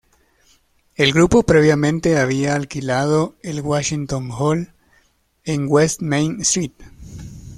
El grupo previamente había alquilado el Washington Hall en West Main Street.